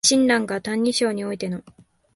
親鸞が「歎異抄」においての